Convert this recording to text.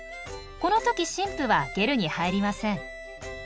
この時新婦はゲルに入りません。